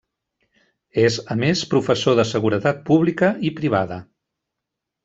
És a més professor de seguretat pública i privada.